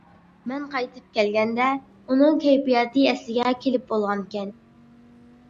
مەن قايتىپ كەلگەندە ئۇنىڭ كەيپىياتى ئەسلىگە كېلىپ بولغانىكەن.